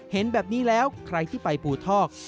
เห็นแบบนี้แล้วใครที่ไปปูทอก